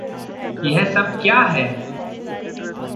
यह सब क्या है?